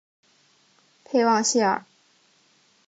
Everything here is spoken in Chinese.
佩旺谢尔。